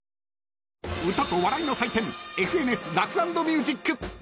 歌と笑いの祭典「ＦＮＳラフ＆ミュージック」。